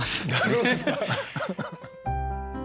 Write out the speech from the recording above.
そうですか！